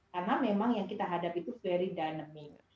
karena memang yang kita hadapi itu very dynamic